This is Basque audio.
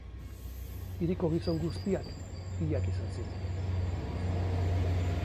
Hiriko gizon guztiak hilak izan ziren.